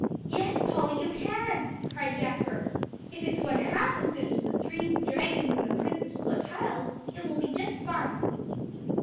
"Oh, yes, Polly, you can," cried Jasper; "if it's one half as good as 'The Three Dragons and the Princess Clotilde,' it will be just fine."